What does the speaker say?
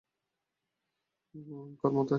কারও মতে, আশি বছর।